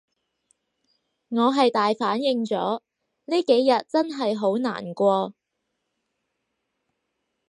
我係大反應咗，呢幾日真係好難過